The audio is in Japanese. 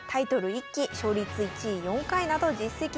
１期勝率１位４回など実績多数。